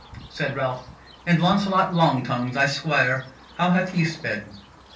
Said Ralph: "And Launcelot Long tongue, thy squire, how hath he sped?"